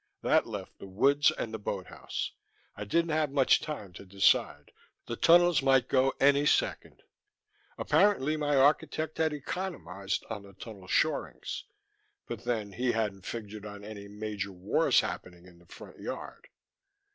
That left the woods and the boathouse. I didn't have much time to decide; the tunnels might go any second. Apparently my architect had economized on the tunnel shorings. But then, he hadn't figured on any major wars happening in the front yard.